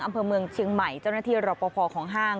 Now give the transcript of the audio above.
อำเภอเมืองเชียงใหม่เจ้าหน้าที่รอปภของห้าง